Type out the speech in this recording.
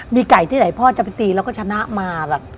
มีไก่ที่ไหนพ่อจะไปตีแล้วก็ชนะมาแบบ